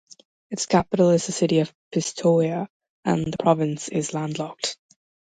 Its capital is the city of Pistoia and the province is landlocked.